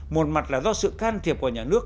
một mặt là do sự can thiệp của nhà nước